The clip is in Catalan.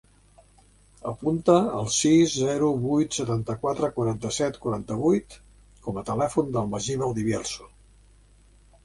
Apunta el sis, zero, vuit, setanta-quatre, quaranta-set, quaranta-vuit com a telèfon del Magí Valdivielso.